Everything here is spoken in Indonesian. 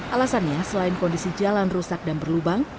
alasannya selain kondisi jalan rusak dan berlubang